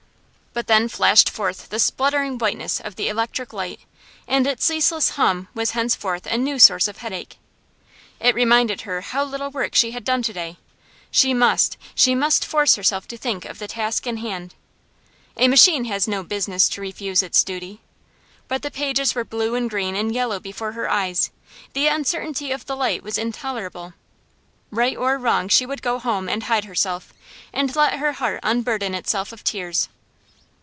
But then flashed forth the sputtering whiteness of the electric light, and its ceaseless hum was henceforth a new source of headache. It reminded her how little work she had done to day; she must, she must force herself to think of the task in hand. A machine has no business to refuse its duty. But the pages were blue and green and yellow before her eyes; the uncertainty of the light was intolerable. Right or wrong she would go home, and hide herself, and let her heart unburden itself of tears.